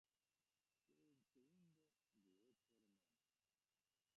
Fue el segundo de ocho hermanos.